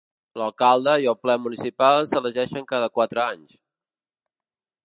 L'alcalde i el ple municipal s'elegeixen cada quatre anys.